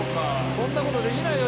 こんな事できないよ